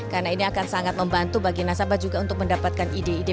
karena ini akan sangat membantu bagi nasabah juga untuk mendapatkan ide ide